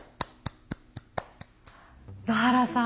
野原さん。